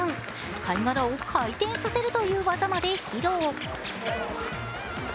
貝殻を回転させるという技まで披露。